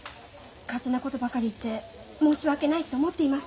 勝手なことばかり言って申し訳ないって思っています。